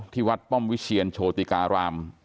ที่วัดป้อมวิเชียนโชติการาม